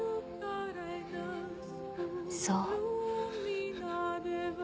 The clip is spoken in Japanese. そう